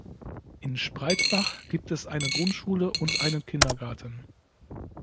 In Spraitbach gibt es eine Grundschule und einen Kindergarten.